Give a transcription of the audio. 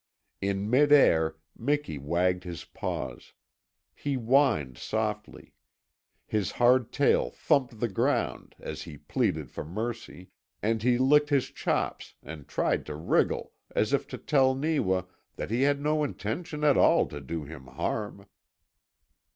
In midair Miki wagged his paws; he whined softly; his hard tail thumped the ground as he pleaded for mercy, and he licked his chops and tried to wriggle, as if to tell Neewa that he had no intention at all to do him harm.